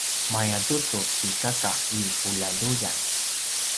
mayatucu ti kaka i puljaljuyan